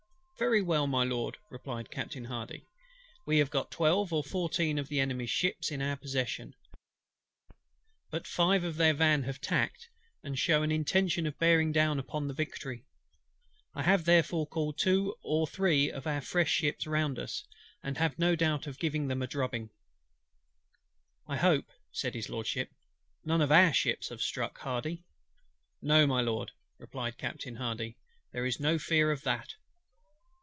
"Very well, my Lord," replied Captain HARDY: "we have got twelve or fourteen of the Enemy's ships in our possession; but five of their van have tacked, and shew an intention of bearing down upon the Victory. I have therefore called two or three of our fresh ships round us, and have no doubt of giving them a drubbing." "I hope," said HIS LORDSHIP, "none of our ships have struck, HARDY." "No, my Lord," replied Captain HARDY; "there is no fear of that."